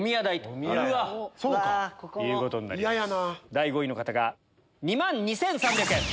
第５位の方が２万２３００円。